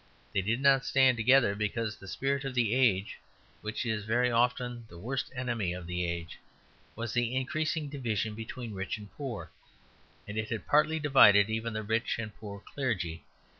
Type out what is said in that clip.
They did not stand together because the spirit of the age (which is very often the worst enemy of the age) was the increasing division between rich and poor; and it had partly divided even the rich and poor clergy.